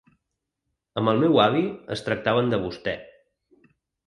Amb el meu avi es tractaven de vostè.